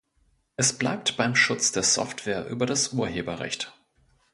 Es bleibt beim Schutz der Software über das Urheberrecht.